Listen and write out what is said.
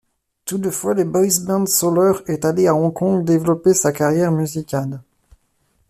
Toutefois, le boys band Soler est allé à Hong Kong développer sa carrière musicale.